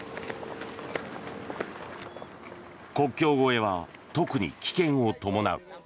国境越えは時に危険を伴う。